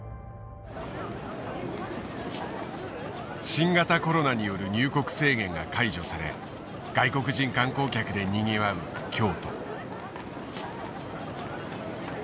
新型コロナによる入国制限が解除され外国人観光客でにぎわう京都。